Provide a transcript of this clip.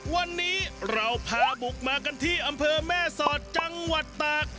วันนี้เราพาบุกมากันที่อำเภอแม่สอดจังหวัดตาก